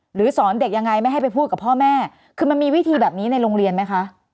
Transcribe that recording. หรือสอนเด็กยังไงไม่ให้ไปพูดกับพ่อแม่คือมันมีวิธีแบบนี้ในโรงเรียนไหมคะ